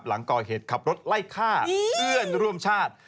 หลังก่อเหตุขับรถไล่ฆ่าเพื่อนร่วมชาติ